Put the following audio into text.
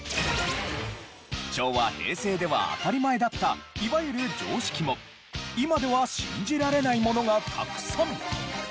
昭和・平成では当たり前だったいわゆる常識も今では信じられないものがたくさん！